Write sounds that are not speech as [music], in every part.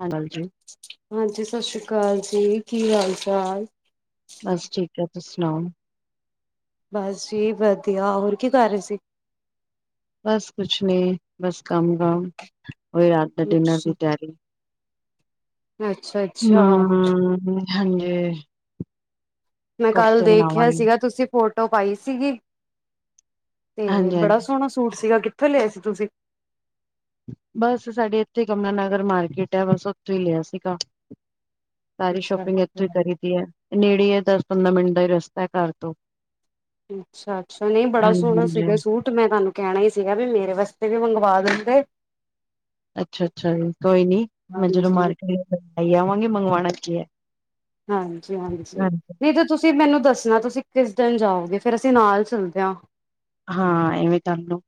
ਹਾਂ ਹਾਂਜੀ, ਹਾਂਜੀ, ਸਤਿ ਸ਼੍ਰੀ ਅਕਾਲ ਜੀ, ਕੀ ਹਾਲ ਚਾਲ? ਬਸ ਠੀਕ ਹੈ, ਤੁਸੀਂ ਸੁਣਾਓ? ਬਸ ਜੀ ਵਧੀਆ, ਹੋਰ ਕੀ ਕਰ ਰਹੇ ਸੀ? ਬਸ ਕੁਛ ਨੀ, ਬਸ ਕੰਮ‌-ਕੰਮ ਆ ਹ ਹੀ ਰਾਤ ਦਾ ਡਿਨਰ ਸੀ ਦੀ ਤਿਆਰੀ ਅੱਛਾ, ਜੀ। ਹ, ਹ ਹਮ ਹਾਂਜੀ, ਮੈਂ ਕੱਲ, ਕੋਫਤੇ ਦੇਖਿਆ ਬਣਾਵਾਂਗੇ ਸੀਗਾ ਤੁਸੀਂ ਫੋਟੋ ਪਾਈ ਸੀਗੀ, ਤੇ ਹਾਂਜੀ ਬੜਾ ਹਾਂਜੀ ਸੋਹਣਾ ਸੂਟ ਸੀਗਾ ਕਿੱਥੋਂ ਲਿਆ ਸੀ ਤੁਸੀਂ? ਬਸ ਸਾਡੀ ਇੱਥੇ, ਯਮਨਾ ਨਗਰ ਮਾਰਕੀਟ ਆ, ਬਸ ਉੱਥੇ ਹੀ ਲਿਆ ਸੀਗਾ। ਸਾਰੀ ਅੱਛਾ ਸ਼ੋਪਿੰਗ, ਇੱਥੋਂ ਹੀ ਕਰੀ ਦੀ ਹੈ ਨੇੜੇ ਹੈ ਦਸ ਪੰਦਰਾਂ ਮਿੰਟ ਦਾ ਹੀ ਰਸਤਾ ਹੈ, ਘਰ ਤੋਂ ਅੱਛਾ -ਅੱਛਾ ਨਈ, ਬੜਾ ਹਾਂਜੀ ਸੋਹਣਾ ਹਾਂਜੀ ਸੀਗਾ ਸੂਟ। ਮੈਂ ਤੁਹਾਨੂੰ, ਕਹਿਣਾ ਹੀ ਸੀਗਾ ਵੀ ਮੇਰੇ ਵਾਸਤੇ ਵੀ ਮੰਗਵ ਦਿਂਦੇ ਅੱਛਾ, - ਅੱਛਾ ਜੀ ਕੋਈ ਨੀ ਮੈਂ ਜਦੋਂ ਹਾਂਜੀ ਮਾਰਕੀਟ ਜਾਵਾਂਗੀ, ਮੰਗਵਾਉਣਾ ਕੀ ਹੈ। ਹਾਂਜੀ- ਹਾਂਜੀ ਨ ਤੁਸੀਂ ਮੈਨੂੰ ਦੱਸਣਾ, ਤੁਸੀਂ ਕਿਸ ਦਿਨ ਜਾਓਗੇ, ਫੇਰ ਅਸੀਂ ਨਾਲ ਚੱਲਦੇ ਹਾਂ ਹਾਂ ਐਵੇਂ ਤਾ ਤਾਨੂੰ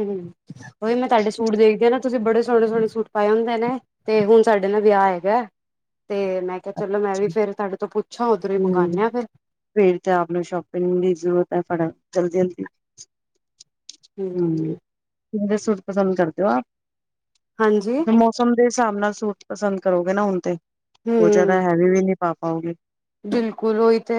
ਹੂੰ ਉਹ ਵੀ, ਮੈਂ ਤੁਹਾਡੇ ਸੂਟ ਦੇਖਦੀ ਹਾ ਨਾ, ਤੁਸੀਂ ਬੜੇ, ਸੋਹਣੇ -ਸੋਹਣੇ ਸੂਟ ਪਾਏ ਹੁੰਦੇ ਨੇ, ਤੇ ਹੁਣ ਸਾਡੇ ਨਾ ਵਿਆਹ, ਹੈਗਾ ਤੇ ਮੈਂ ਤੇ ਚਲੋ, ਮੈਂ ਵੀ ਫੇਰ ਤੁਡੇ ਤੋਂ ਪੁੱਛਾਂ, ਉਧਰੋਂ ਹੀ ਹਮ ਮੰਗਵਾਉਂਦੇ ਆਫਿਰ ਫੇਰ ਤਾ‌ ਆਪ ਨੂੰ ਸ਼ੋਪਿੰਗ ਦੀ ਜ਼ਰੂਰਤ ਐ, ਫੜਾ ਜਲਦੀ, ਜਲਦੀ ਹੂੰ, ਕਿਵੇਂਦੇ ਸੂਟ ਪਸੰਦ ਕਰਦੇ ਓ ਹਾਂਜੀ ਆਪ ਮੋਸਮ ਦੇ ਸਾਬ ਨਾਲ ਸੂਟ ਪਸੰਦ ਕਰੋਗੇ ਨਾ ਹੁਨ ਤੇ, ਬੋਤ ਜਾਦਾ ਹੂੰ ਹੈਵੀ ਵੀ ਨੀ ਪਾ ਪਾਓਗੇ। ਬਿਲਕੁਲ ਓਈ ਤੇ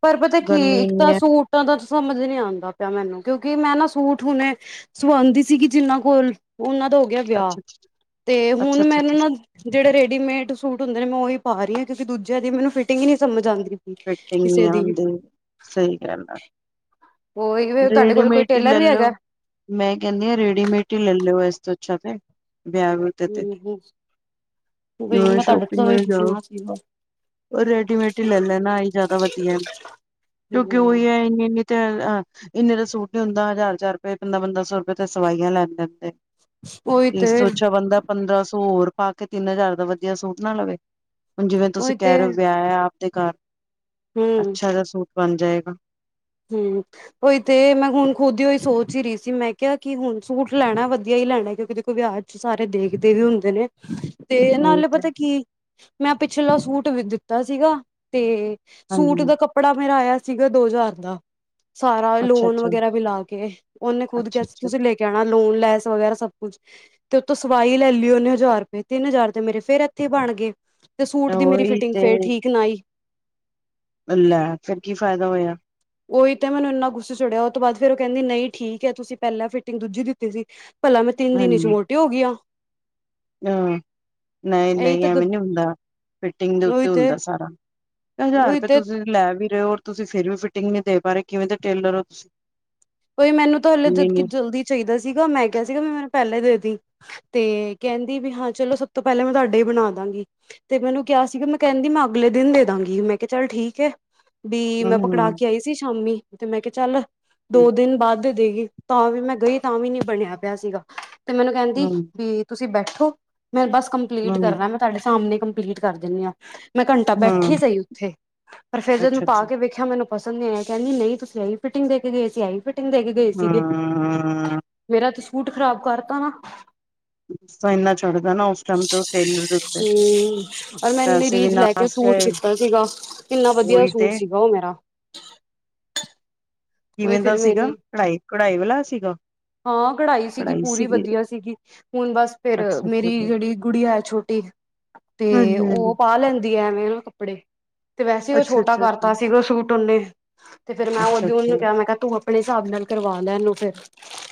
ਪਰ ਪਤਾ ਕੀ ਗਰਮੀ ਇੱਕ ਇੰਨੀ ਤਾ‌ ਹੈ ਸੂਟ ਸੂਟਾ ਦਾ ਸਮਜ ਨੀ ਆਂਦਾ ਪੇਆ ਮੈਨੂੰ ਕਯੋਂਕਿ ਮੈਂ ਨਾ ਸੂਟ ਹੁਨੇ ਸੁਵਾਂਦੀ ਸੀਗੀ ਜਿਨਾਂ ਕੋਲ ਓਨਾਂ ਦਾ ਹੋਗੇਆ ਵੇਆ, ਅੱਛਾ-ਅੱਛਾ, ਤੇ ਹੁਨ ਮੈਨੂੰ ਅੱਛਾ-ਅੱਛਾ-ਅੱਛਾ ਨਾ ਜੇੜੇ ਰੇਡੀਮੇਟ ਸੂਟ ਹੁੰਦੇ ਨੇ ਮੈਂ ਓਹੀ ਪਾਰੀ ਆਂ ਕਯੁਂਕਿ ਦੂਜੇਆ ਦੀ ਮੈਨੂੰ ਫਿਟਿੰਗ ਈ ਨੀਤ ਸਮਜ ਆਂਦੀ। ਫਿਟਿੰਗ ਨੀ‌ ਆਂਦੀ, ਸਈ ਗੱਲ ਆ। ਉਹੀ ਤੁਹਾਡੇ ਕੋਲ ਕੋਈ ਰੇਡੀਮੇਟ ਟੇਲਰ ਵੀ ਲੇਲੋ ਹੈਗਾ ਮੈਂ ਕੈਂਦੀ ਆਂ ਰੇਡੀਮੇਟ ਹੀ ਲੈਲੋ ਏਸ ਤੋ ਅੱਛਾ ਤੇ ਵੇਆ ਵੁ [inaudible] ਬਈ ਹ ਮੈਂ ਤੁਹਾਡੇ ਸ਼ੋਪਿੰਗ ਤੋਂ ਵੀ ਕਰਨ ਜਾਓ, ਪੁੱਛਣਾ ਸੀਗਾ ਓ ਰੈਡੀਮੇਟ ਹੀ ਲੈ ਲੈਂ ਨਾਈ ਜਾਦਾ ਵਦੀਆ, ਕਯੋਂਕਿ ਓਈ ਹੂੰ। ਐ ਇੰਨੀ-ਇੰਨੀ ਤੇ ਇੰਨੇ ਦਾ ਸੂਟੀ ਨੀ ਹੁੰਦਾ, ਜ਼ਾਰ-ਜ਼ਾਰ ਰਪੇ, ਪੰਦਰਾਂ-ਪੰਦਰਾਂ ਸੋ ਰਪੇ ਤੇ ਸਵਾਈਆਂ ਲੈਂਦੇ ਨੇ। ਉਹੀ ਤੇ ਇਸਤੋ ਅੱਛਾ ਬੰਦਾ ਪੰਦਰਾਂ ਸੋ ਹੋਰ ਪਾਕੇ ਤਿੰਨ ਹਜ਼ਾਰ ਦਾ ਵਦੀਆ ਸੂਟ ਨਾ ਲਵੇ। ਹੁਨ ਜਿਵੇਂ ਤੁਸੀਂ ਉਹੀ ਤੇ ਕੈਰੇ ਓ ਵੇਆ ਐ ਆਪਦੇ ਘਾੱਰ ਹੂੰ ਅੱਛਾ ਜ਼ਾ ਸੂਟ ਬਨ ਜਾਏਗਾ। ਹੂੰ। ਓਈ ਤੇ ਮੈਂ ਹੁਨ ਖੁਦ ਈ ਓਈ ਸੋਚ ਈ ਰਈ ਸੀ ਮੈਂ ਕੇਆ ਕਿ ਹੁਨ ਸੂਟ ਲੈਣਾ ਵਦੀਆ ਹੀ ਲੈਣਾ ਕਯੋਂਕਿ ਦੇਖੋ ਵੇਆ ਸਾਰੇ ਦੇਖਦੇ ਵੀ ਹੁੰਦੇ ਨੇ। ਤੇ ਉਹੀ ਨਾਲੇ ਤੇ ਪਤਾ ਕੀ, ਮੈਂ ਪਿਛਲਾ ਸੂਟ ਵੀ ਦਿੱਤਾ ਸੀਗਾ ਤੇ ਹਾਂਜੀ ਸੂਟ ਹ ਦਾ ਕੱਪੜਾ ਮੇਰਾ ਆਏਆ ਸੀਗਾ ਦੋ ਜ਼ਾਰ ਦਾ ਸਾਰਾ ਅੱਛਾ ਲੋਨ ਅੱਛਾ ਵਗੈਰਾ ਮਿਲਾ ਕੇ ਓਨੇ ਖੁਦ ਕੇਆ ਅੱਛਾ ਸੀ ਤੁਸੀ ਲੇ ਅੱਛਾ ਲੇਕੇ ਆਣਾ ਲੋਨ, ਲੈਸ, ਵਗੈਰਾ ਸਭ ਕੁਛ ਤੇ ਉਤੋਂ ਸਵਾਈ ਲੈ ਲਈ ਓਨੇ ਹਜ਼ਾਰ ਰਪੇ, ਤਿੰਨ ਹਜ਼ਾਰ ਤੇ ਮੇਰੇ ਫੇਰ ਐਥੇ ਹੀ ਬਾਣਗੇ। ਤੇ ਸੂਟ ਦੀ ਮੇਰੀ ਉਹੀ ਫਿਟਿੰਗ ਤੇ ਫੇਰ ਠੀਕ ਨਾ ਆਈ ਲੈ ਫੇਰ ਕੀ ਫਾਏਦਾ ਹੋਏਆ ਓਈ ਤੇ ਮੈਨੂੰ ਇੰਨਾ ਗੁੱਸਾ ਚੁੜੇਆ ਓ ਤੋ ਬਾਦ ਫੇਰ ਓ ਕੈਂਦੀ ਨਈ ਠੀਕ ਐ ਤੁਸੀ‌ ਪੈਲਾਂ ਫਿਟਿੰਗ ਦੂਜੀ ਦਿੱਤੀ ਸੀ। ਭਲਾ ਮੈਂ ਤਿੰਨ ਦਿਨ ਚ ਮੋਟੀ ਹੋਗੀ ਆਂ ਨ ਇਹੀ ਨਈ-ਨਈ ਤਾਂ ਐਵੇਂ ਨੀ ਹੁੰਦਾ, ਫਿਟਿੰਗ ਦੇ ਉਹੀ ਉੱਤੇ ਤੇ ਹੁੰਦਾ ਸਾਰਾ। ਹਜ਼ਾਰ ਉਹੀ ਰਪੇ ਤੇ ਤੁਸੀ ਲੈ ਵੀ ਰੇਓ ਹੋਰ ਤੁਸੀ ਫੇਰ ਵੀ ਫਿਟਿੰਗ ਨੀ ਦੇ ਪਾਰੇ ਕਿਵੇਂ ਦੇ ਟੇਲਰ ਓ ਤੁਸ ਕੋਈ ਮੈਨੂੰ ਤਾ ਹਲੇ ਜਦਕੀ ਜਲਦੀ ਚਾਈਦਾ ਸੀਗਾ, ਮੈਂ ਕੇਆ ਸੀਗਾ ਮੈਂ ਮੈਨੂੰ ਪੈਲਾਂ ਦੇਦੀ ਤੇ ਕੈਂਂਦੀ ਵੀ ਹਾਂ ਚਲੋ ਸਭ ਤੋਂ ਪੈਲੈ ਮੈਂ ਤੋਅਡੇ ਈ ਬਣਾ ਦਾਂਗੀ। ਤੇ ਮੈਨੂੰ ਕੇਆ ਸੀਗਾ ਮੈਂ ਕੈਂਦੀ ਮੈਂ ਅਗਲੇ ਦਿਨ ਦੇ ਦਾਂਗੀ, ਮੈਂ ਕੇਆ ਚੱਲ ਠੀਕ ਏ। ਵੀ ਮੈਂ ਪਕੜਾ ਹਮ ਕੇ ਆਈ ਸੀ ਸ਼ਾਮੀ, ਤੇ ਮੈਂ ਕੇਆ ਚੱਲ ਹਮ ਦੋ ਦਿਨ ਬਾਦ ਦੇ ਦੇਗੀ। ਤਾਂ ਵੀ ਮੈਂ ਗਈ ਤਾਂ ਵੀ ਨੀ ਬਣੇਆ ਪੇਆ ਸੀਗਾ, ਤੇ ਮੈਨੂੰ ਕੈਂਦੀ ਹਮ ਹੂੰ। ਤੁਸੀ ਬੈਠੋ ਮੈਂ ਬਾੱਸ ਕੰਪਲੀਟ ਹਮ ਕਰਨਾ ਮੈਂ ਤਾਡੇ ਸਾਮਣੇ ਕੰਪਲੀਟ ਕਰ ਦੇਨੀ ਆਂ। ਮੈਂ ਘੰਟਾ ਬੈਠੀ ਹਮ ਸਈ ਉੱਥੇ, ਪਰ ਫੇਰ ਜਦ ਮੈਂ ਅੱਛਾ ਅੱਛਾ ਪਾਕੇ ਵੇ ਦੇਖਆ ਮੈਨੂੰ ਪਸੰਦ ਨਈ ਆਏਆ, ਕੈਂਦੀ ਨਈ ਤੁਸੀ ਐਈ ਫਿਟਿੰਗ ਦੇ ਕੇ ਗਏ ਸੀ, ਐਈ ਫਿਟਿੰਗ ਦੇ ਕੇ ਗਏ ਸੀਗੇ। ਹਮ ਮੇਰਾ ਤੇ ਸੂਟ ਖ਼ਰਾਬ ਕਰਤਾ ਨਾ। ਹਿੱਸਾ ਇੰਨਾ ਚੜ੍ਹਦਾ ਨਾ [unintelligible] ਉਸ ਟਾਈਮ ਤੋਂ ਟੇਲਰ ਦੇ ਉੱਤੇ ਹੂੰ, ਓਰ ਮੈ ਪੈਸੇ ਏਨੀ ਵੀ ਲੈਕੇ ਨਾਸ ਸੂਟ ਗਏ [unintelligible] ਸੀਗਾ ਕਿੰਨਾ ਵਦੀਆ ਉਹੀ ਤੇ ਸੂਟ ਸੀਗਾ ਓ ਮੇਰਾ ਉਹੀ ਕਿਵੇਂ ਦਾ ਫਿਰ ਸੀਗਾ, ਮੇਰੀ ਕਢਾਈ-ਕਢਾਈ ਵਾਲਾ ਸੀਗਾ। ਹਾਂ, ਕਢਾਈ ਸੀਗੀ ਪੂਰੀ ਵਦੀਆ ਸੀਗੀ। ਹੁਨ ਬਾੱਸ ਫੇਰ ਅੱਛਾ ਅੱਛਾ ਮੇਰੀ ਜੇੜੀ ਗੁੜੀਆ ਐ ਛੋਟੀ, ਤੇ ਹਾਂਜੀ ਹਾਂਜੀ ਓ ਪਾਲੈਂ [unintelligible] ਕਪੜੇ, ਤੇ ਵੈਸੇ ਓ ਅੱਛਾ ਛੋਟਾ ਅੱਛਾ ਕਰਤਾ ਸੀਗਾ ਸੂਟ ਓਨੇ ਤੇ ਫੇਰ ਮੈਂ ਅੱਛਾ ਓਦੇ ਅੱਛਾ ਓਨੂੰ ਕੇਆ ਮੈਂ ਕੇਆ ਤੂੰ ਆਪਣੇ ਹਿਸਾਬ ਨਾਲ ਕਰਵਾ ਲੈ ਏਨੂੰ ਫੇਰ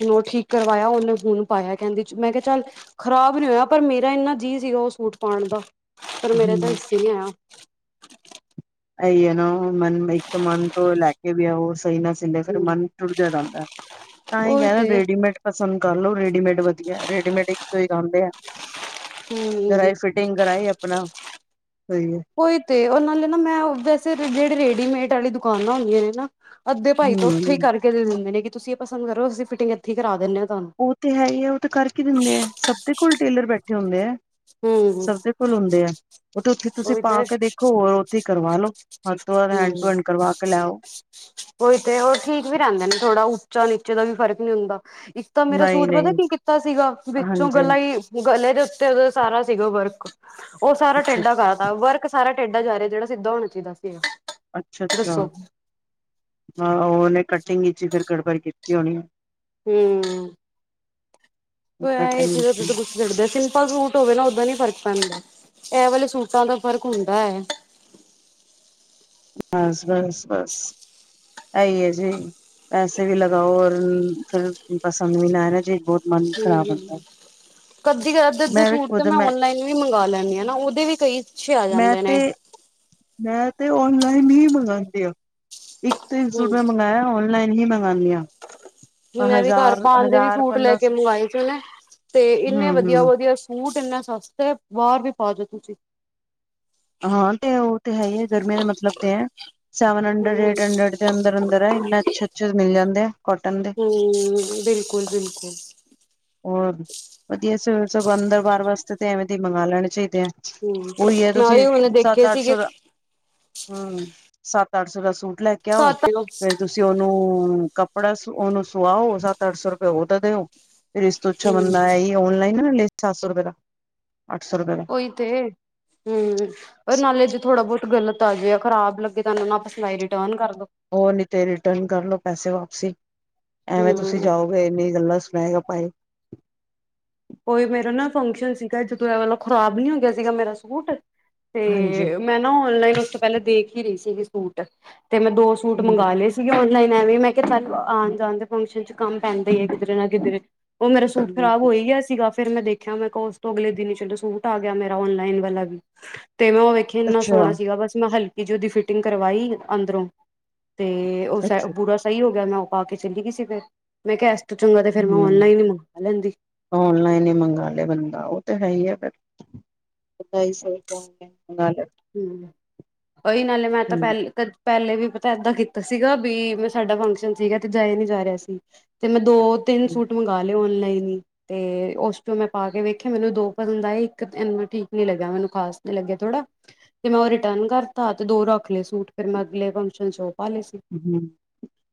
ਹੂਨ ਓ ਠੀਕ ਕਰਵਾਏਆ ਓਨੇ ਹੁਨ ਪਾਏਆ ਕੈਂਦੀ ਮੈਂ ਕੇਆ ਚੱਲ ਖ਼ਰਾਬ ਨੀ ਹੋਏਆ ਪਰ ਮੇਰਾ ਏਨਾ ਜੀ ਸੀਗਾ ਓ ਸੂਟ ਪਾਣ ਦਾ, ਪਰ ਮੇਰੇ ਤਾਂ ਹਮ ਹਿੱਸੇ ਨੀ‌ ਆਏਆ। ਐਈ ਏਨਾ ਹੁਨ ਮਨ ਇੱਕ ਤਾਂ ਮਨ ਤੋ ਲੈਕੇ ਵੀ ਆਓ ਸਈ ਨਾ ਸ ਫਿਰ ਹੂੰ ਮਨ ਟੁੜ ਜਾ ਜਾਂਦਾ, ਤਾਂਇ ਉਹੀ ਕਹਿਰਅ ਤੇ ਰੇਡੀਮੇਡ ਪਸੰਦ ਕਰ ਲੋ ਰੇਡੀਮੇਡ। ਵਧੀਆ, ਰੇਡੀਮੇਡ ਇਕ ਤੋ ਇਕ ਆਦੇ ਆ। ਹੂੰ ਜਰਾ ਫੀਟ ਪਿਕ ਕਰਏ ਆਪਣਾ, ਕੋਹੀਨੀ। ਔਈ ਤੇ, ਉਹ ਨਾਲੇ ਨਾ ਮੈਂ ਵੈਸੇ ਜਿਹੜੇ ਰੇਡੀਮੇਡ ਵਾਲੀ ਦੁਕਾਨਾਂ ਹੁੰਦੀਆਂ ਨੇ ਨਾ। ਅੱਧੇ ਭਾਈ ਤੋਂ ਉੱਥੇ ਹੀ ਹਮ ਕਰਕੇ ਦੇ ਦਿੰਦੇ ਨੇ ਤੁਸੀਂ ਪਸੰਦ ਕਰੋ, ਅਸੀਂ ਫਿਟਿੰਗ ਇੱਥੇ ਹੀ ਕਰਾ ਦਿੰਦੇ ਹਾਂ ਤੁਹਾਨੂੰ। ਉਹ ਤੇ ਹੈ ਹੀ ਹੈ, ਉਹ ਤਾਂ ਕਰਕੇ ਦਿੰਦੇ ਆ, ਸਭ ਦੇ ਕੋਲ ਟੇਲਰ ਬੈਠੇ ਹੁੰਦੇ ਹੈ। ਹਮ ਸਭ ਦੇ ਕੋਲ ਹੁੰਦੇ ਆ, ਉਹ ਤੇ ਉੱਥੇ ਤੁਸੀਂ ਉਹੀ ਪਾ ਤੇ ਕੇ ਦੇਖੋ ਹੋਰ ਉੱਥੇ ਕਰਵਾ ਲੋੋ। ਹੱਥ ਤੋ ਹੱਥ ਹੈਂਡ ਟੂ ਹੈਂਡ ਕਰਵਾ ਕੇ ਲੈਓ। ਉਹੀ ਤੇ ਉਹ ਠੀਕ ਵੀ ਰਹਿੰਦੇ ਨੇ ਥੋੜਾ ਉੱਚਾ- ਨੀਚੇ ਦਾ ਵੀ ਫਰਕ ਨਹੀਂ ਹੁੰਦਾ। ਇਕ ਤਾਂ ਮੇਰਾ ਨਹੀਂ ਸੂਟ ਪਤਾ ਨਹੀਂ ਕੀ ਕੀਤਾ ਸੀਗਾ, ਵਿੱਚੋਂ ਹਾਂਜੀ ਗਲਾ ਹਾਂਜੀ ਹੀ ਗਲੇ ਦੇ ਉੱਤੇ ਸਾਰਾ ਸੀਗਾ ਵਰਕ। ਉਹ ਸਾਰਾ ਅੱਛਾ ਟੇਡਾ ਅੱਛਾ ਕਰਦਾ, ਵਰਕ ਸਾਰਾ ਟੇਡਾ ਜਾ ਰਿਹਾ ਜਿਹੜਾ ਸਿੱਧਾ ਹੋਣਾ ਚਾਹੀਦਾ ਸੀ। ਅੱਛਾ-ਅੱਛਾ। ਹਾਂ, ਉਹ ਉਹਨੇ ਕਟਿੰਗ ਵਿੱਚ ਫਿਰ ਗੜਬੜ ਕੀਤੀ ਹੋਣੀ। ਹੂੰ ਕਟਿੰਗ ਵਿੱਚ [unintelligible] ਜਿਦੇ ਸਿੰਪਲ ਸੂਟ ਹੋਵੇ ਨਾ ਓਦਾਂ ਨੀ ਫ਼ਰਕ ਪੈਂਦਾ, ਇਹ ਵਾਲੇ ਸੂਟਾਂ ਦਾ ਫ਼ਰਕ ਹੁੰਦਾ ਹੈ। ਬਸ-ਬਸ-ਬਸ ਇਹੀ ਹੈ ਜੀ, ਪੈਸੇ ਵੀ ਲਗਾਓ, ਔਰ ਫਿਰ ਪਸੰਦ ਵੀ ਨਾ ਆਯੇ ਚੀਜ ਬਹੁਤ। ਮਨ ਖ਼ਰਾਬ ਹੁੰਦਾ। ਕਧੀ ਅੱਧ- ਅਧ ਸੂਟ ਤਾਂ ਮੈਂ ਔਨਲਾਈਨ ਵੀ ਮੰਗਵਾ ਲੈਂਦੀ ਹਾਂ ਨਾ ਉਹਦੇ ਵੀ ਕਈ ਅਛੇ ਆ ਮੈਂ ਜਾਂਦੇ ਤੇ ਨੇ। ਮੈਂ ਤੇ ਔਨਲਾਈਨ ਹੀ ਮੰਗਵਾਉਂਦੇ ਆ, ਇੱਕ ਤ ਸੂਟ ਹੂੰ। ਮੈਂ ਮੰਗਵਾਆ ਔਨ ਲਾਇਨ ਹੀ ਮੰਗਾਨੀਆ। ਮੈਂ ਵੀ ਘਰ ਪਾਉਣ ਦੇ ਵੀ ਸੂਟ ਲੈ ਪੰਦਰਾਂ ਕੇ ਮੰਗਵਾਏ ਸੀ ਉਹਨੇ, ਤੇ ਇੰਨੇ ਹੂੰ-ਹੂੰ ਵਧੀਆ-ਵਧੀਆ ਸੂਟ ਇੰਨਾ ਸਸਤਾ, ਹੈ ਬਾਹਰ ਵੀ ਪਾ ਜੋੋ ਤੁਸੀਂ। ਹਾਂ, ਤੇ ਉਹ ਤੇ ਹੈ ਹੀ ਹੈ ਗਰਮੀਆਂ ਦਾ ਮਤਲਬ ਤੇ ਹੈ, ਸੈਵਨ ਹੰਡਰਡ, ਹੂੰ। ਏਟ ਹੰਡਰਡ ਦੇ ਅੰਦਰ-ਅੰਦਰ ਇੰਨੇਸ਼ ਅੱਛੇ-ਅੱਛੇ ਮਿਲ ਜਾਂਦੇ ਆ। ਕੋਟਨ ਦੇ ਹੂੰ ਬਿਲਕੁਲ- ਬਿਲਕੁਲ। ਹੋਰ, ਵਧੀਆ ਸੀ ਸਗੋਂ ਅੰਦਰ -ਬਹਾਰ ਵਾਸਤੇ ਤੇ ਐਵੇਂ ਦੇ ਮੰਗਵਾ ਲੈਣੇ ਚਾਹੀਦੇ ਆ। ਹੂੰ, ਉਹੀ ਹੈ ਤੁਸੀਂ ਨਾਲ਼ੇ ਹੁਣ ਦੇਖੋ। ਸੱਤ- ਅੱਠ ਸੌ ਦਾ, ਹਾਂ, ਸੱਤ -ਅੱਠ ਸੌ ਦਾ ਸੂਟ ਲੈ ਕੇ ਆਓ ਸੱਤ ਹੂੰ ਫੇਰ ਤੁਸੀਂ ਤੇ ਉਹਨੂੰ, ਕੱਪੜਾ ਉਹਨੂੰ ਸੁਆਓ, ਸੱਤ- ਅੱਠ ਸੌ ਰੁਪਏ ਉਹਦਾ ਦਿਓ। ਫਿਰ ਇਸ ਤੋਂ ਅੱਛਾ ਬੰਦਾ ਇਹ ਔਨਲਾਈਨ ਨਾ ਕਰ ਲਏ ਸਤ ਰੁਪਏ ਦਾ, ਅੱਠ ਸੌ ਰੁਪਏ ਦਾ। ਈ ਤੇ, ਹੂੰ, ਔਰ ਨਾਲੇਜ ਥੋੜਾ -ਬਹੁਤ ਗਲਤ ਤਾਂ ਜੋ ਖ਼ਰਾਬ ਲੱਗੇ ਤਾਂ ਤਾਅਨੂ ਨਾ ਪਸੰਦ ਆਏ ਰਿਟਰਨ ਕਰ ਦੋ। ਹੋਰ ਨੀ ਤੇ ਰਿਟਰਨ ਕਰਲੋ ਪੈਸੇ ਵਾਪਸੀ, ਐਵੇਂ ਤੁਸੀਂ ਹੂੰ ਜਾਓ। ਫੇਰ ਇੰਨੀ ਗੱਲਾਂ ਸੁਨਾਯੇ ਗਾ ਪਾਈ। ਕੋਈ ਮੇਰਾ ਨਾ ਫੰਕਸ਼ਨ ਸੀਗਾ ਜਦੋਂ ਦਾ ਮਤਲਬ ਖ਼ਰਾਬ ਨੀ ਹੋ ਗਿਆ ਸੀਗਾ ਮੇਰਾ ਸੂਟ, ਹਾਂਜੀ ਤੇ ਮੈਂ ਨਾ ਔਨਲਾਈਨ ਉਸ ਤੋਂ ਪਹਿਲਾਂ ਦੇਖ ਹੀ ਰਹੀ ਸੀਗੀ ਸੂਟ, ਤੇ ਮੈਂ ਦੋ ਸੂਟ ਹੂੰ ਮੰਗਵਾ ਲਏ ਸੀ। ਸੀ ਔਨਲਾਈਨ ਐਵੇਂ ਮੈਂ ਕਿਹਾ ਚੱਲ ਆਉਣ ਜਾਣ ਦੇ ਫੰਕਸ਼ਨ ਚ' ਕੰਮ ਪੈਂਦਾ ਹੀ ਹੈ ਕਿਧਰੇ ਨਾ ਕਿਧਰ। ਉਹ ਮੇਰਾ ਸੁਟ ਹੂੰ ਖਰਾਬ ਹੋਈ ਗਿਆ ਸੀ। ਸੀਗਾ ਫੇਰ ਮੈਂ ਦੇਖਿਆ ਮੈਂ ਕਿਹਾ ਉਸ ਤੋਂ ਅਗਲੇ ਦਿਨ ਹੀ ਚਲੋ ਸੂਟ ਆ ਗਿਆ ਮੇਰਾ ਔਨਲਾਈਨ ਵਾਲਾ ਵੀ, ਤੇ ਮੈਂ ਉਹ ਨਾ ਵੇਖਿਆ ਇੰਨਾ ਅੱਛਾ ਸੋਹਣਾ ਸੀਗਾ ਬਸ ਮੈਂ ਹਲਕੀ ਜਿਹੀ ਉਹਦੀ ਫਿਟਿੰਗ ਕਰਵਾਈ ਅੰਦਰੋਂ, ਤੇ ਉਹ ਅੱਛਾ ਪੂਰਾ ਸਹੀ ਹੋ ਗਿਆ ਮੈਂ ਉਹ ਪਾ ਕੇ ਚੱਲੀ ਗਈ ਸੀ ਫੇਰ। ਮੈਂ ਕਿਹਾ ਇਸ ਤੂੰ ਚੰਗਾ ਫਿਰ ਮੈਂ ਹੂੰ ਔਨਲਾਈਨ ਨ ਮੰ ਲੈਂਦੀ। ਔਨਲਾਈਨ ਹੀ ਮੰਗ ਲਏ ਬੰਦਾ, ਉਹ ਤੇ ਹੈ ਹੀ ਆ ਫੇਰ। ਢਾਈ ਸੌ ਦਾ, ਇੱਕ ਨਾਲ। ਹੂ, ਉਹੀ ਨਾਲੇ ਮੈਂ ਤਾਂ ਪਹਿਲਾਂ ਪਹਿਲੇ ਵੀ ਪਤਾ ਏਦਾਂ ਕੀਤਾ ਸੀਗਾ ਵੀ, ਮੈਂ ਸਾਡਾ ਫੰਕਸ਼ਨ ਸੀਗਾ ਤੇ ਜਾਏ ਨੀ ਜਾ ਰਿਹਾ ਸੀ। ਤੇ ਮੈਂ ਦੋ -ਤਿੰਨ ਹੂੰ ਸੂਟ ਮੰਗਵਾ ਲਏ ਔਨਲਾਈਨ ਹੀ। ਤੇ ਉਸ ਚੋਂ ਮੈਂ ਪਾ ਕੇ ਵੇਖਿਆ ਮੈਨੂੰ ਦੋ ਪਸੰਦ ਆਏ ਇੱਕ ਐਨਾਂ ਠੀਕ ਨੀ ਲੱਗਿਆ ਮੈਨੂੰ ਖਾਸ ਨੀ ਲੱਗਿਆ ਥੋੜ੍ਹਾ। ਤੇ ਮੈਂ ਉਹ ਰਿਟਰਨ ਕਰਤਾ, ਤੇ ਦੋ ਰੱਖ ਲਏ ਸੂਟ ਫੇਰ ਮੈਂ ਅਗਲੇ ਫੰਕਸ਼ਨ 'ਚ ਉਹ ਪਾ ਲਏ ਸੀ। ਹੂੰ।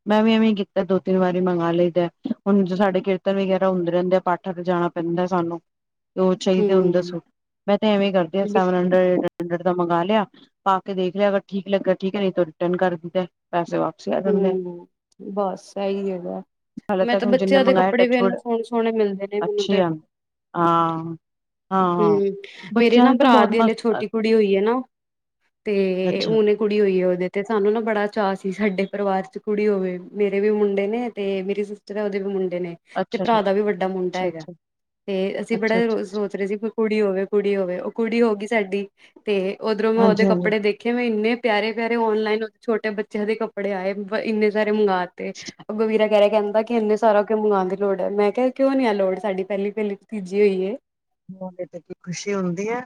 ਮੈਂ ਵੀ ਐਵੇਂ ਕੀਤਾ ਦੋ ਤਿੰਨ ਵਾਰੀ ਮੰਗ ਲਈਦੈ ਹੁਣ ਜਦੋਂ ਸਾਡੇ ਕੀਰਤਨ ਵਗੈਰਾ ਹੁੰਦੇ ਰਹਿੰਦੇ ਆ ਪਾਠਾਂ ਤੇ ਜਾਣਾ। ਪੈਂਦਾ ਸਾਨੂੰ। [unintelligible] ਦੋ ਚਾਹੀਦੇ ਹੁੰਦੇ ਹੂੰ ਦੱਸੋ ਮੈਂ ਤਾਂ ਐਵੇਂ ਕਰਦੀ ਹਾਂ ਸੈਵਨ ਬਿਲਕੁਲ ਹੰਡਰਡ। ਹੰਡਰਡ ਦਾ ਮੰਗਵਾ ਲਿਆ ਪਾ ਕੇ ਦੇਖ ਲਿਆ ਅਗਰ ਠੀਕ ਲੱਗਿਆ ਠੀਕ ਨਹੀਂ ਰਿਟਰਨ ਕਰ ਦਿੱਤੇ ਪੈਸੇ ਵਾਪਸ। ਹੂੰ ਬਸ ਇਹੀ ਹੈਗਾ। ਹਾਲੇ ਮੈਂ ਤੱਕ ਤਾਂ ਹੁਣ ਜਿੰਨੇ ਬੱਚਿਆਂ ਦੇ ਮੰਗਵਾਏ ਕੱਪੜੇ ਵੀ ਟੱਚਵੁਡ ਇੰਨੇ ਸੋਹਣੇ ਸੋਹਣੇ ਮਿਲਦੇ ਨੇ ਮੈਨੂੰ ਅੱਛੇ ਤੇ। ਆ ਹਾਂ। ਹਾਂ ਹਾਂ ਹੂੰ ਮੇਰੇ ਬੱਚਿਆਂ ਨਾ ਨੇ ਤਾਂ ਭਰਾ ਬਹੁਤ ਦੇ ਹਲੇ ਮਸਤ ਛੋਟੀ ਕੁੜੀ ਹੋਈ ਏ ਨਾ ਤੇ ਅੱਛਾ। ਹੁਣੇ। ਕੁੜੀ ਹੋਈ ਹੈ ਉਹਦੇ ਤੇ ਸਾਨੂੰ ਨਾ ਬੜਾ ਚਾਅ ਸੀ ਸਾਡੇ ਪਰਿਵਾਰ 'ਚ ਕੁੜੀ ਹੋਵੇ ਮੇਰੇ ਵੀ ਮੁੰਡੇ ਨੇ ਤੇ ਮੇਰੀ। ਉਹਦੇ ਵੀ ਮੁੰਡੇ ਨੇ ਤੇ ਅੱਛਾ ਅੱਛਾ ਭਰਾ ਦਾ ਵੀ ਵੱਡਾ ਮੁੰਡਾ ਅੱਛਾ ਹੈਗਾ ਅੱਛਾ ਤੇ ਅਸੀਂ ਅੱਛਾ ਬੜਾ ਅੱਛਾ ਸੋਚ। ਰਹੇ ਸੀ। ਕੁੜੀ ਹੋਵੇ, ਕੁੜੀ ਹੋਵੇ, ਉਹ ਕੁੜੀ ਹੋ ਗਈ ਸਾਡੀ ਤੇ ਓਧਰੋਂ ਉਹਦੇ ਹਾਂਜੀ ਹਾਂਜੀ। ਕੱਪੜੇ ਦੇਖ। ਦੇਖੇ ਮੈਂ ਇੰਨੇ ਪਿਆਰੇ ਪਿਆਰੇ ਔਨਲਾਈਨ ਉਹਦੇ ਛੋਟੇ ਬੱਚਿਆਂ ਦੇ ਕੱਪੜੇ ਆਏ ਇੰਨੇ। ਸਾਰੇ ਮੰਗਾਂ ਤੇ ਅੱਗੋਂ ਵੀਰਾਂ। ਵਿਚਾਰਾ ਕਹਿੰਦਾ ਕਿ ਇੰਨੇ ਸਾਰਾ ਕਿਉਂ ਮੰਗਵਾਉਣ ਦੀ ਲੋੜ ਹੈ ਮੈਂ ਕਿਹਾ ਕਿਉਂ ਨੀ ਐ ਲੋੜ ਸਾਡੀ ਪਹਿਲੀ ਪਹਿਲੀ ਭਤੀਜੀ ਹੋਈਏ। ਤੇ ਖੁਸ਼ੀ ਹੁੰਦੀ ਹੈ।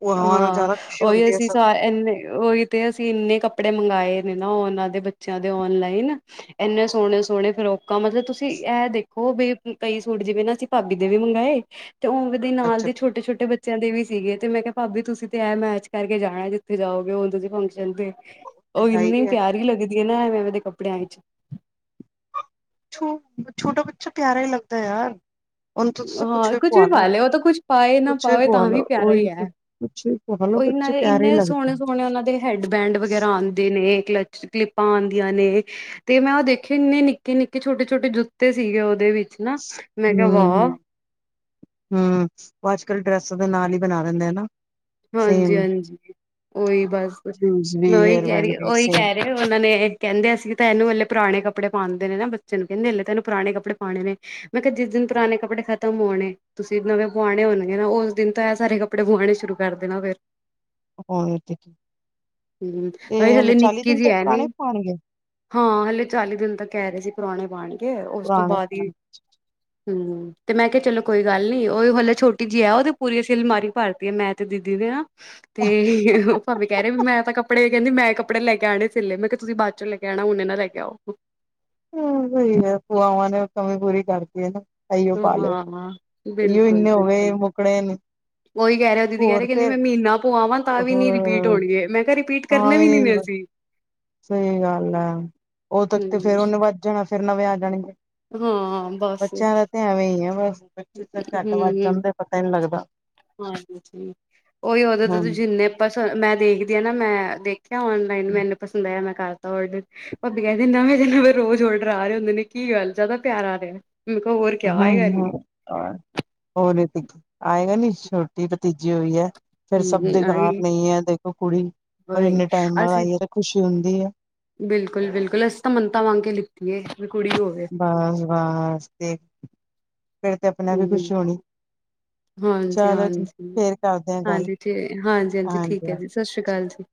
ਭੂਆਵਾਂ ਨੂੰ ਹਾਂ ਜ਼ਿਆਦਾ ਖੁਸ਼ੀ ਉਹੀ ਹੁੰਦੀ ਹੈ ਅਸੀਂ ਸਗੋਂ। ਸਾਰੇ। ਇੰਨੇ ਉਹੀ ਤੇ ਅਸੀਂ ਇੰਨੇ ਕੱਪੜੇ ਮੰਗਵਾਏ ਨੇ ਨਾ ਉਹਨਾਂ ਦੇ ਬੱਚਿਆਂ ਦੇ ਔਨਲਾਈਨ। ਇੰਨੇ ਸੋਹਣੇ ਸੋਹਣੇ ਫਰੋਕ। ਕੰਮ ਤੇ ਤੁਸੀਂ ਇਹ ਦੇਖੋ ਵੀ ਕਈ ਸੂਟ ਜਿਵੇਂ ਨਾ ਅਸੀਂ ਭਾਬੀ ਦੇ ਵੀ ਮੰਗਵਾਏ ਤੇ ਉਹ। ਦੇ ਨਾਲ ਅੱਛਾ ਦੇ ਅੱਛਾ ਛੋਟੇ ਛੋਟੇ ਬੱਚਿਆਂ ਦੇ ਵੀ ਸੀਗੇ ਤੇ ਮੈਂ ਕਿਹਾ। ਭਾਬੀ ਤੁਸੀਂ ਤੇ ਇਹ ਮੈਚ ਕਰਕੇ ਜਾਣਾ ਜਿੱਥੇ ਜਾਓਗੇ ਹੁਣ ਤੁਸੀਂ ਫੰਕਸ਼ਨ ਤੇ। ਤੇ ਉਹ ਹੈ ਇੰਨੀ ਹੀ ਹੈ ਪਿਆਰੀ ਲੱਗਦੀ ਹੈ ਨਾ ਮੈਂ ਐਵੇਂ ਐਵੇਂ ਦੇ ਕੱਪੜਿਆਂ ਵਿੱਚ। ਛੋ ਛੋਟਾ ਬੱਚਾ ਪਿਆਰਾ ਹੀ ਲੱਗਦੈ ਯਾਰ। ਹੁਣ ਤੁਸੀ ਕੁਛ ਹਾਂ ਕੁੱਝ ਪੁਆ ਵੀ ਲੋ ਪਾ ਲਏ ਉਹ ਤਾਂ ਕੁੱਝ ਪਾਏ ਨਾ ਕੁਛ ਵੀ ਪਾਵੇ ਪੁਆ ਤਾਂ ਲੋ ਪਿਆਰਾ ਹੀ ਉਹੀ ਹੈ ਕੁਛ। ਪੁਆ ਲੋ ਉਹ ਇਹਨਾਂ ਬੱਚੇ ਦੇ ਪਿਆਰੇ ਇੰਨੇ ਲੱਗਦੇ ਸੋਹਣੇ ਹੂੰ ਸੋਹਣੇ ਉਹਨਾਂ ਦੇ ਹੈਡਬੈਂਡ ਵਗੈਰਾ ਆਂਦੇ ਨੇ ਕਲ ਕਲਿੱਪਾਂ ਆਂਦੀਆਂ ਨੇ ਤੇ ਮੈਂ ਉਹ ਦੇਖੇ ਇੰਨੇ ਨਿੱਕੇ- ਨਿੱਕੇ, ਛੋਟੇ- ਛੋਟੇ, ਜੁੱਤੇ ਸੀਗੇ ਉਹਦੇ ਵਿੱਚ ਨਾ ਮੈਂ ਕਿਹਾ ਵਾ ਹਮ ਉਹ ਅੱਜ ਕੱਲ ਡਰੈਸ ਦੇ ਨਾਲ ਹੀ ਬਣਾ ਦਿੰਦੇ ਆ ਨਾ? ਹਾਂਜੀ ਸੇਮ। ਹਾਂਜੀ ਉਹੀ ਬਸ ਸ਼ੂਜ ਵੀ ਮੈਂ ਉਹੀ ਹੇਅਰ ਕਹਿ ਬੈਂਡ ਰਹੀ ਵੀ ਉਹੀ ਸੇਮ ਕਹਿ ਰਹੀ ਉਹਨਾਂ ਨੇ ਕਹਿੰਦੇ ਅਸੀਂ ਤਾਂ ਇਹਨੂੰ ਹਲੇ ਪੁਰਾਣੇ ਕੱਪੜੇ ਪਾਂਦੇ ਨੇ ਨਾ ਬੱਚੇ ਨੂੰ ਕਹਿੰਦੇ ਹਲੇ ਤਾਂ ਇਹਨੂੰ ਪੁਰਾਣੇ ਕੱਪੜੇ ਪਾਣੇ ਨੇ। ਮੈਂ ਕਿਹਾ ਜਿਸ ਦਿਨ ਪੁਰਾਣੇ ਕੱਪੜੇ ਖਤਮ ਹੋਣੇ। ਤੁਸੀਂ ਨਵੇਂ ਪੁਆਣੇ ਹੋਣਗੇ ਨਾ ਉਸ ਦਿਨ ਤਾਂ ਇਹ ਸਾਰੇ ਕੱਪੜੇ ਪੁੁਆਣੇ ਸ਼ੁਰੂ ਕਰ ਦੇਣਾ ਫਿਰ। ਹੋਰ ਤੇ ਕੀ। ਹੂੰ ਤੇ ਹਾਏ ਹਲੇ ਚਾਲੀ ਨਿੱਕੀ ਦਿਨ ਜਿਹੀ ਤੱਕ ਹੈ ਨੀ। ਪੁਰਾਣੇ ਪਾਉਣਗੇ ਹਾਂ ਹਲੇ ਚਾਲੀ ਦਿਨ ਤਾਂ ਕਹਿ ਰਹੇ ਸੀ ਪੁਰਾਣੇ ਪਾਣਗੇ ਉਸ ਤੋਂ ਪੁਰਾਣੇ ਬਾਅਦ ਪਾਉਣਗੇ। ਹੀ। ਹੂੰ ਤੇ ਮੈਂ ਕਿਹਾ ਚਲੋ ਕੋਈ ਗੱਲ ਨੀ ਉਹ ਹਲੇ ਛੋਟੀ ਜਿਹੀ ਹੈ ਉਹ ਤੇ ਪੂਰੀ ਅਸੀਂ ਅਲਮਾਰੀ ਭਰਤੀ ਹੈ ਮੈਂ। ਤੇ ਦੀਦੀ ਦੇ ਨਾ ਤੇ ਉਹ ਭਾਬੀ ਕਹਿ ਰਹੇ ਵੀ ਮੈਂ ਤਾਂ ਕੱਪੜੇ। ਕਹਿੰਦੀ ਮੈਂ ਕੱਪੜੇ ਲੈ ਕੇ ਆਣੇ ਸੀ ਹਲੇ ਮੈਂ ਕਿਹਾ ਤੁਸੀ ਬਾਅਦ ਚੋਂ ਲੈ ਕੇ ਆਣਾਂ ਹੁਣੇ ਨਾ ਲੈ ਕੇ ਆਓ। ਹੂੰ ਸਹੀ ਹੈ। ਭੂਆਵਾ ਨੇ ਕਮੀ ਪੂਰੀ ਕਰਤੀ ਏ ਨਾ। ਇਹੀ ਪਾ ਲੇ ਹਾਂ ਇਹ ਵੀ ਇੰਨੇ ਹੋ ਗਏ ਮੁੱਕਣੇ ਨਹੀਂ। ਓਈ ਕਹਿ ਰਿਹਾ ਦੀਦੀ ਕਹਿ ਰਹੇ ਕਹਿੰਦੀ ਮੈਂ ਮਹੀਨਾ ਪਵਾਵਾਂ ਤਾਂ ਵੀ ਹੋਰ ਨੀ ਰਿਪੀਟ ਹੋਣਗੇ ਮੈਂ ਕਿਹਾ ਰਿਪੀਟ ਕਰਨੇ ਵੀ ਨੀ ਨੇ ਅਸੀਂ। [unintelligible] [inaudible] ਸਹੀ ਗੱਲ ਹੈ ਉਹ ਤੱਕ ਤੇ ਹੂੰ ਫੇਰ ਉਹਨੇ ਵੱਧ ਜਾਣਾ ਫੇਰ ਨਵੇਂ ਆ ਜਾਣਗੇ। ਹਾਂ ਬੱਸ! ਬੱਚਿਆਂ ਦਾ ਤੇ ਐਵੇਂ ਹੀ ਆ ਬਸ ਬੱਚੇ ਤਾਂ ਝੱਟ ਵੱਧ ਜਾਂਦੇ ਪਤਾ ਹੀ ਨੀ ਲੱਗਦਾ ਹਾਂਜੀ ਉਹੀ ਉਹਦੇ ਤੋਂ ਹਮ ਜਿੰਨੇ ਆਪਾਂ ਮੈਂ ਦੇਖਦੀ ਹਾਂ ਨਾ ਮੈਂ ਦੇਖ ਔਨਲਾਈਨ ਮੈਨੂੰ ਪਸੰਦ ਆਇਆ ਮੈਂ ਕਰ ਹੋਰ ਭਾਬੀ ਕਹਿੰਦੇ ਨਵੇਂ ਦੇ ਨਵੇਂ ਰੋਜ਼ ਔਡਰ ਆ ਰਹੇ ਹੁੰਦੇ ਨੇ ਕੀ ਗੱਲ ਜ਼ਿਆਦਾ ਪਿਆਰ ਆ ਰਿਹਾ। ਹਮ ਹੋਰ ਕਿਆ ਆਏਗਾ ਹੂੰ ਨੀ। ਓ ਨਈ ਆਏਗਾ ਨੀ? ਛੋਟੀ ਭਤੀਜੀ ਹੋਈ ਐ। ਫੇਰ ਸਭ ਦੇ ਹੂੰ ਗਹਾਰ ਆਈ ਨਈ ਐ ਦੇਖੋ ਕੁੜੀ ਔਰ ਵਹੀ ਏਨੇ ਟਾਈਮ ਬਾਅਦ ਆਈ ਐ ਤੇ ਖੁਸ਼ੀ ਹੁੰਦੀ ਐ। ਬਿਲਕੁਲ-ਬਿਲਕੁਲ ਅਸੀਂ ਤਾਂ ਮੰਨਤਾਂ ਮੰਗ ਕੇ ਲਿੱਤੀਐ ਵੀ ਕੁੜੀ ਹੋ ਬਸ-ਬਸ ਤੇ ਫੇਰ ਤੇ ਆਪਣਾ ਵੀ ਹੂੰ ਖੁਸ਼ ਹੋਣੀ। ਹਾਂਜੀ, ਚਲੋ ਜੀ ਹਾਂਜੀ, ਫੇਰ ਕਰਦੇ ਆ ਗੱਲ ਹਾਂਜੀ, ਹਾਂਜੀ, ਹਾਂਜੀ ਠੀਕ ਐ ਜੀ। ਸਸਸ਼੍ਰੀ ਅਕਾਲ ਜੀ।